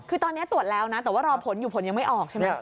คือตอนนี้ตรวจแล้วนะแต่ว่ารอผลอยู่ผลยังไม่ออกใช่ไหม